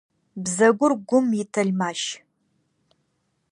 Бзэгур гум итэлмащ.